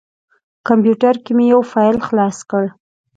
کمپیوټر کې مې یو فایل خلاص کړ.